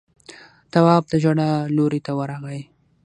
تواب د ژړا لورې ته ورغی.